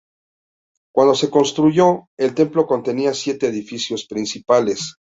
Cuando se construyó, el templo contenía siete edificios principales.